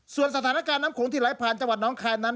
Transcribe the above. ส่วนสถานการณ์น้ำโขงที่ไหลผ่านจังหวัดน้องคายนั้น